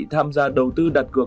tham gia đầu tư đặt cược